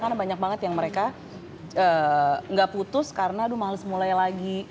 karena banyak banget yang mereka gak putus karena males mulai lagi